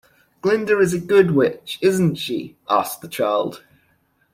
Glinda is a good Witch, isn't she? asked the child.